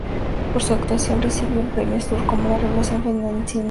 Por su actuación recibió el Premio Sur, como "Revelación femenina en cine".